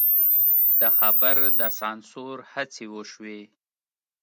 د خبر د سانسور هڅې وشوې.